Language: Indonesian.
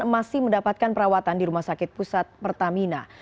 masih mendapatkan perawatan di rumah sakit pusat pertamina